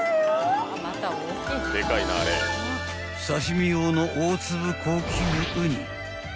［刺し身用の大粒高級ウニ］